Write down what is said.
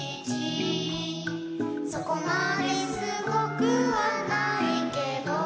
「そこまですごくはないけど」